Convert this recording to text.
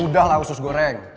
sudahlah usus goreng